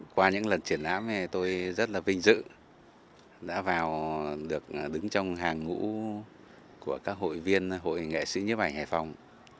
qua những lần triển lãm này tôi rất là vinh dự đã vào được đứng trong hàng ngũ của các hội viên hội nghệ sĩ nhấp ảnh hải phòng